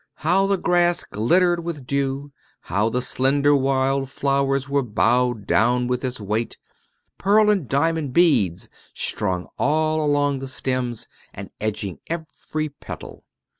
How the grass glittered with dew! how the slender wild flowers were bowed down with its weight! pearl and diamond beads strung all along the stems, and edging every petal.